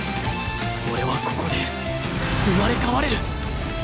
俺はここで生まれ変われる！